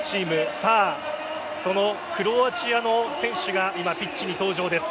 さあ、そのクロアチアの選手が今、ピッチに登場です。